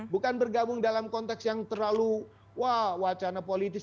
bukan bergabung dalam konteks yang terlalu wah wacana politis